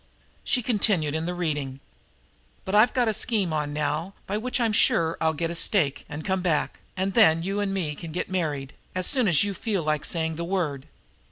She continued in the reading: "But I've got a scheme on now by which I'll sure get a stake and come back, and then you and me can get married, as soon as you feel like saying the word.